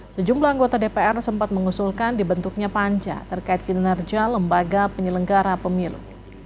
sejumlah anggota dpr sempat mengusulkan dibentuknya panja terkait kinerja lembaga penyelenggara pemilu